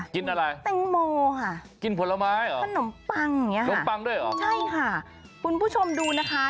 กินอะไรตังโมค่ะพันธุ์ปังอย่างนี้ค่ะคุณผู้ชมดูนะคะ